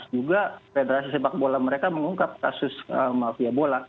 juga federasi sepak bola mereka mengungkap kasus mafia bola